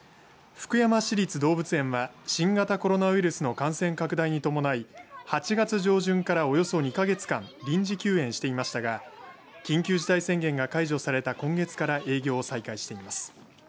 福山市立動物園は新型コロナウイルスの感染拡大に伴い８月上旬からおよそ２か月間臨時休園していましたが緊急事態宣言が解除された今月から営業を再開しています。